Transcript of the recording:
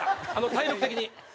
体力的に？